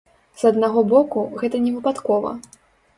З аднаго боку, гэта не выпадкова.